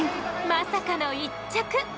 まさかの１着！